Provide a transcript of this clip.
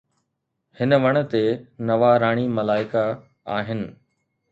هن وڻ تي نواراڻي ملائڪ آهن.